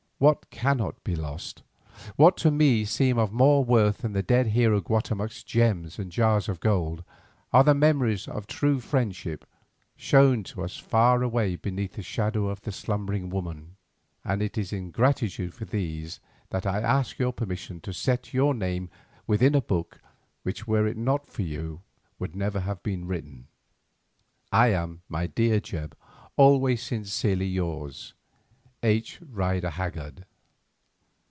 What cannot be lost, what to me seem of more worth than the dead hero Guatemoc's gems and jars of gold, are the memories of true friendship shown to us far away beneath the shadow of the Slumbering Woman, and it is in gratitude for these that I ask permission to set your name within a book which were it not for you would never have been written. I am, my dear Jebb, Always sincerely yours, H. RIDER HAGGARD.